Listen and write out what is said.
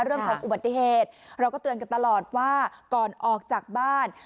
เรื่องของอุบัติเหตุเราก็เตือนกันตลอดว่าก่อนออกจากบ้าน